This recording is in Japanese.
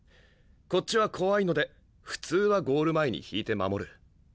こっちは怖いので普通はゴール前に引いて守る。